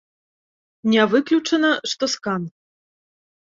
Не выключана, што з кан.